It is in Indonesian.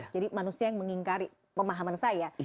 jadi manusia yang mengingkari pemahaman saya